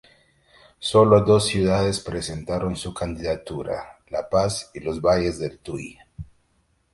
Solo dos ciudades presentaron su candidatura: La Paz y los Valles del Tuy.